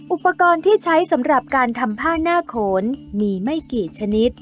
อุปกรณ์ที่ใช้สำหรับการทำผ้าหน้าโขนมีไม่กี่ชนิด